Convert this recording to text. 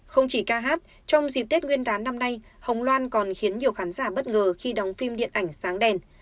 không chỉ ca hát trong dịp tết nguyên đán năm nay hồng loan còn khiến nhiều khán giả bất ngờ khi đóng phim điện ảnh sáng đèn